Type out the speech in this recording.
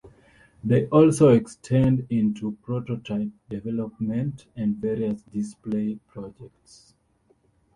They also extend into prototype development and various display projects.